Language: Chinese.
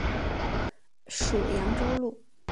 属扬州路。